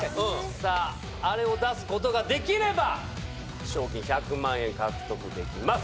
さぁあれを出すことができれば賞金１００万円獲得できます。